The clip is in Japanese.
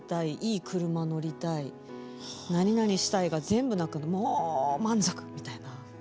いい車乗りたいなになにしたいが全部なくもう満足みたいな。